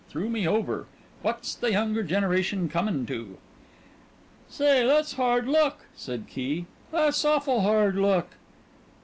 Threw me over! What's the younger generation comin' to?" "Say tha's hard luck," said Key "that's awful hard luck."